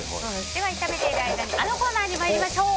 炒めている間にあのコーナーに参りましょう。